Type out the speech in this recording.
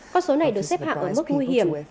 con số này được xếp hạng ở mức nguy hiểm